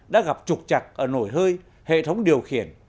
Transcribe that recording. đã gặp trục chặt ở nồi hơi hệ thống điều khiển